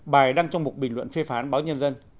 bài đăng trong một bình luận phê phán báo nhân dân